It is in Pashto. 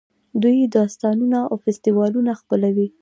دوی داستانونه او فستیوالونه خپلوي.